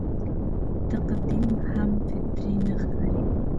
تقدم هم فطري نه ښکاري.